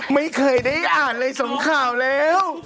ไม่เคยได้อ่านเลยสองข่าวแล้ว